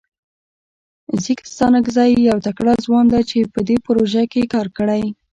ځیګ ستانکزی یو تکړه ځوان ده چه په دې پروژه کې یې کار کړی.